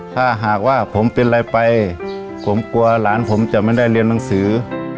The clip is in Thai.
ถ้าหากว่าผมเป็นอะไรไปผมกลัวหลานผมจะไม่ได้เรียนหนังสือ